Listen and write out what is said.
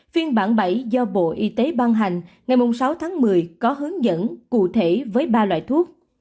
phiên bản bảy do bộ y tế ban hành ngày sáu tháng một mươi có hướng dẫn cụ thể với ba loại thuốc